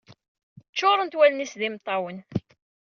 Ččurent wallen-is d imeṭṭawen.